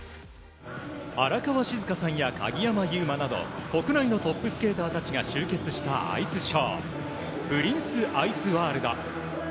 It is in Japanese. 荒川静香さんや鍵山優真など国内のトップスケーターたちが集結したアイスショープリンスアイスワールド。